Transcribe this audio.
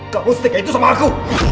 kamu setinggi itu sama aku